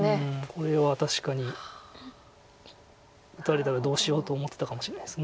これは確かに打たれたらどうしようと思ってたかもしれないです